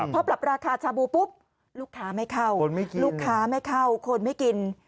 พอปรับราคาชาบูปุ๊บลูกค้าไม่เข้าคนไม่กิน